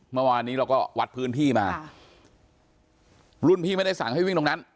เมื่อวานนี้เราก็วัดพื้นที่มารุ่นพี่ไม่ได้สั่งให้วิ่งตรงนั้น